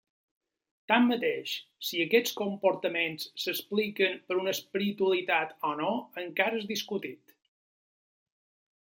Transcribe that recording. Tanmateix, si aquests comportaments s'expliquen per una espiritualitat o no encara és discutit.